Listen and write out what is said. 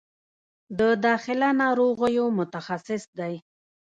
د داخله ناروغیو متخصص دی